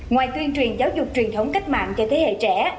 ngoài tuyên truyền giáo dục truyền thống cách mạng cho thế hệ trẻ